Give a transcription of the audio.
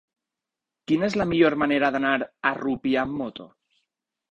Quina és la millor manera d'anar a Rupià amb moto?